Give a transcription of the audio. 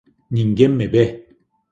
Ninguén me ve.